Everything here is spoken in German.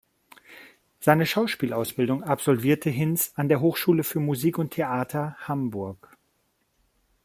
Seine Schauspielausbildung absolvierte Hinz an der Hochschule für Musik und Theater Hamburg.